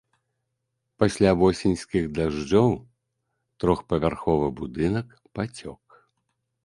Пасля восеньскіх дажджоў трохпавярховы будынак пацёк.